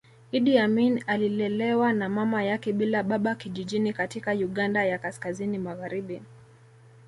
Iddi Amin alilelewa na mama yake bila baba kijijini katika Uganda ya Kaskazini magharibi